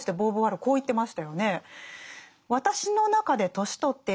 こう言ってましたよね。